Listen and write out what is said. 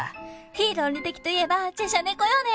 非論理的といえばチェシャ猫よね。